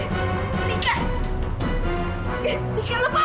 dika lu mau kemana